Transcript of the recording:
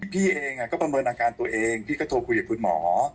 พี่เองก็ประเมินอาการตัวเองพี่ก็โทรคุยกับคุณหมอ